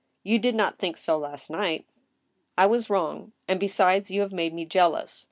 " You did not think so last night —"" I was wrong ; and, besides, you have made me jealous.